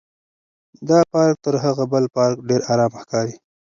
دا پارک تر هغه بل پارک ډېر ارامه ښکاري.